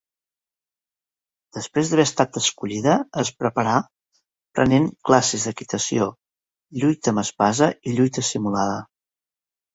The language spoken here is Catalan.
Després d'haver estat escollida, es preparà prenent classes d'equitació, lluita amb espasa i lluita simulada.